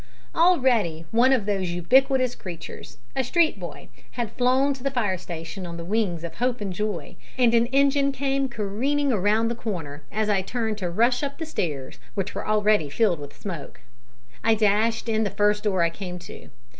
Already one of those ubiquitous creatures, a street boy, had flown to the fire station on the wings of hope and joy, and an engine came careering round the corner as I turned to rush up the stairs, which were already filled with smoke. I dashed in the first door I came to.